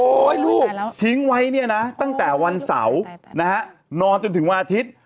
ลูกทิ้งไว้เนี่ยนะตั้งแต่วันเสาร์นะฮะนอนจนถึงวันอาทิตย์